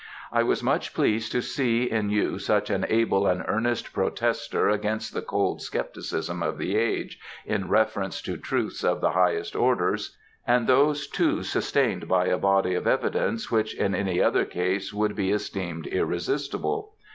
I was much pleased to see in you such an able and earnest protester against the cold scepticism of the age in reference to truths of the highest order, and those too sustained by a body of evidence which in any other case would be esteemed irresistible.